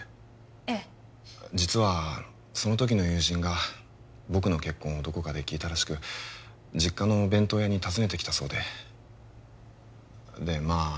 ええ実はそのときの友人が僕の結婚をどこかで聞いたらしく実家のお弁当屋にたずねてきたそうででまあ